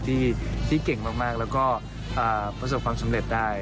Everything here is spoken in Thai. ที่เก่งมากแล้วก็ประสบความสำเร็จได้